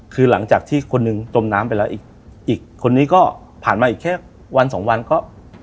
คือหลังจากที่คนหนึ่งจมน้ำไปแล้วอีกคนนี้ก็ผ่านมาอีกแค่วันสองวันก็